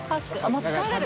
持ち帰れる？